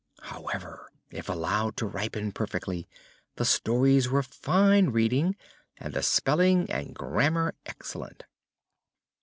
However, if allowed to ripen perfectly, the stories were fine reading and the spelling and grammar excellent.